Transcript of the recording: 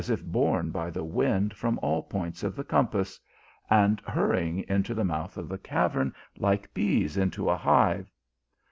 if borne by the wind from all points of the compass, and hurrying into the mouth of the cavern like bees into a hive.